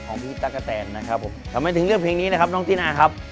ของพี่ตั๊กกะแตนนะครับผมทำไมถึงเลือกเพลงนี้นะครับน้องตินาครับ